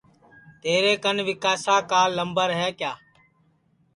تیرے کن ویکاسا کا لمبر ہے کیا